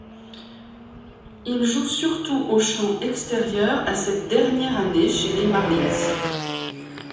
Il joue surtout au champ extérieur à cette dernière année chez les Marlins.